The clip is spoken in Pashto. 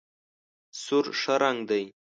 سور ښه رنګ دی.